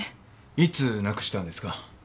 いつなくしたんですか？